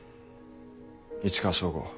市川省吾